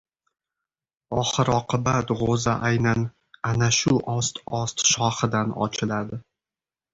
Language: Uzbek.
Oxir-oqibat — g‘o‘za aynan ana shu ost-ost shoxidan ochiladi.